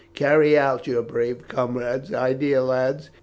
Carry out your brave comrade's idea, lads.